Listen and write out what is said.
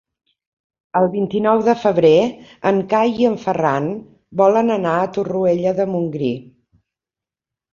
El vint-i-nou de febrer en Cai i en Ferran volen anar a Torroella de Montgrí.